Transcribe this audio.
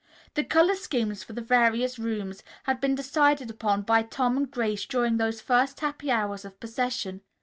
The color schemes for the various rooms had been decided upon by Tom and Grace during those first happy hours of possession.